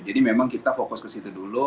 jadi memang kita fokus ke situ dulu